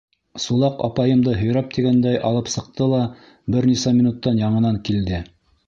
Сулаҡ апайымды һөйрәп тигәндәй алып сыҡты ла бер нисә минуттан яңынан килде.